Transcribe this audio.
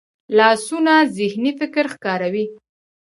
لاسونه ذهني فکر ښکاروي